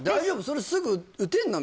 それすぐ打てんの？